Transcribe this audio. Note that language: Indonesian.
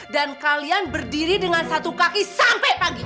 dan kalian berdiri dengan satu kaki sampai pagi